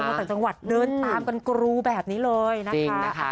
มาจากจังหวัดเดินตามกันกรูแบบนี้เลยนะคะ